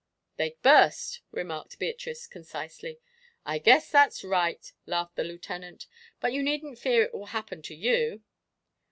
"They'd burst," remarked Beatrice, concisely. "I guess that's right," laughed the Lieutenant; "but you needn't fear it will happen to you."